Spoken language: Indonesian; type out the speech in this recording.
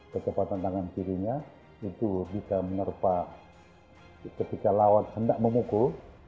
ketepatan tangan kirinya itu bisa menerpa ketika lawan hendak memukul